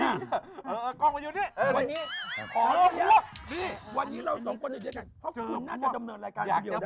วันนี้เราสองคนมาอยู่ด้วยกันเพราะคุณน่าจะดำเนินรายการอย่างเดียวได้